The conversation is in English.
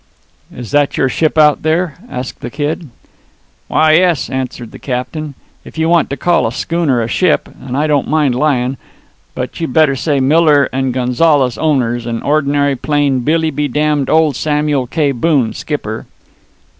"Is that your ship out there?" asked the Kid. "Why, yes," answered the captain, "if you want to call a schooner a ship, and I don't mind lyin'. But you better say Miller and Gonzales, owners, and ordinary plain, Billy be damned old Samuel K. Boone, skipper."